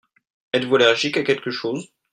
Êtes-vous allergique à quelque chose ?